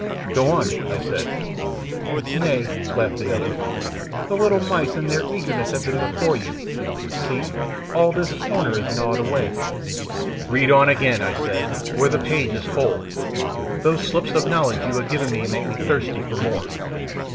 "Go on," I said. "Nay," laughed the other, "the little mice in their eagerness have been before you see, all this corner is gnawed away." "Read on again," I said, "where the page is whole; those sips of knowledge you have given make me thirsty for more.